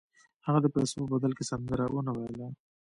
هغه د پیسو په بدل کې سندره ونه ویله